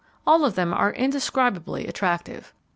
All of them are indescribably attractive.